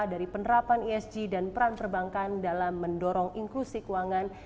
dari penerapan esg dan peran perbankan dalam mendorong inklusi keuangan